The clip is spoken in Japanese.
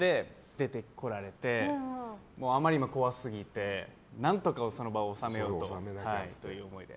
出てこられて、あまりに怖すぎて何とかその場を収めようという思いで。